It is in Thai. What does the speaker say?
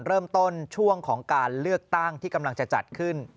เริ่มต้นช่วงของการเลือกตั้งที่กำลังจะจัดขึ้น